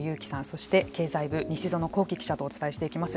そして経済部・西園興起記者とお伝えしていきます。